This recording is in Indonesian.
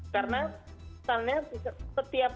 karena misalnya setiap